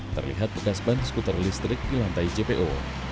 terlihat bekas ban skuter listrik di lantai jpo